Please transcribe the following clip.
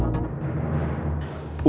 terima kasih pak